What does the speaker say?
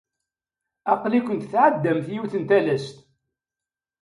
Aql-ikent tɛeddamt i yiwet n talast.